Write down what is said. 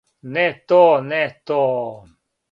Не то, не то.